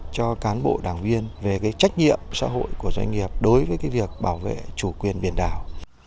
cho cán bộ đảng viên về trách nhiệm xã hội của doanh nghiệp đối với việc bảo vệ chủ quyền biển đảo